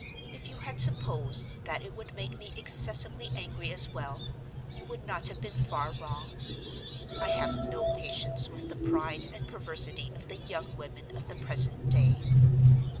If you had supposed that it would make me excessively angry as well, you would not have been far wrong. I have no patience with the pride and perversity of the young women of the present day.